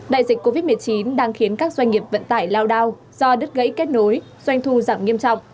đại dịch covid một mươi chín đang khiến các doanh nghiệp vận tải lao đao do đứt gãy kết nối doanh thu giảm nghiêm trọng